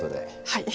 はい。